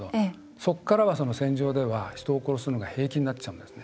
そこからは戦場では人を殺すのが平気になるんですね。